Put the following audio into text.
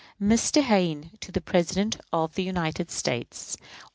_ Mr. Hayne to the President of the United States.